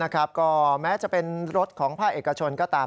ก็แม้จะเป็นรถของภาคเอกชนก็ตาม